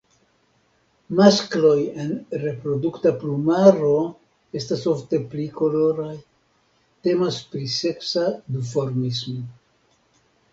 Maskloj en reprodukta plumaro estas ofte pli koloraj; temas pri seksa duformismo.